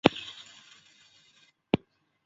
卢师谛也参与谋划此事。